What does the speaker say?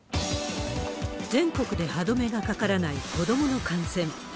全国で歯止めがかからない子どもの感染。